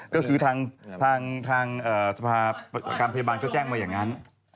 ก็คือทางสภาอาณาจริงประการพยาบาลเขาแจ้งมาอย่างนั้น